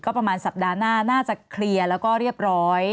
ประมาณสัปดาห์หน้าน่าจะเคลียร์แล้วก็เรียบร้อย